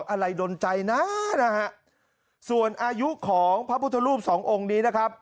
อะไรดนใจนะนะฮะส่วนอายุของพระพุทธรูปสององค์นี้นะครับ